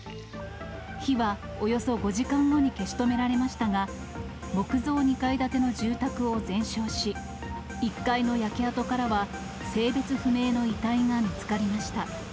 火はおよそ５時間後に消し止められましたが、木造２階建ての住宅を全焼し、１階の焼け跡からは、性別不明の遺体が見つかりました。